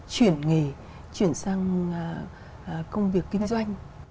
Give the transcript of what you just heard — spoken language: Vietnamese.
chuyển nghề chuyển sang công việc kinh doanh